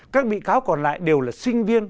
các bị cáo còn lại đều là sinh viên